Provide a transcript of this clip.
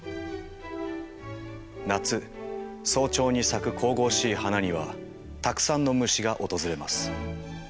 夏早朝に咲く神々しい花にはたくさんの虫が訪れます。